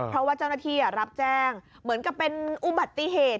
เพราะว่าเจ้าหน้าที่รับแจ้งเหมือนกับเป็นอุบัติเหตุ